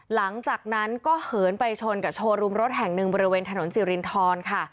หลังจากนั้นก็เหินไปชนกับโชว์รูมรถแห่งหนึ่งบริเวณถนนสิรินทรค่ะ